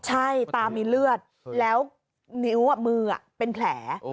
ใช่ตามีเลือดแล้วนิ้วมือเป็นแผล